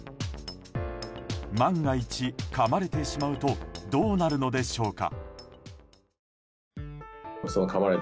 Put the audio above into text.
万が一、かまれてしまうとどうなるのでしょうか。